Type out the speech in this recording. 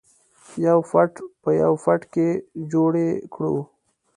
یو فټ په یو فټ کې جوړې کړو.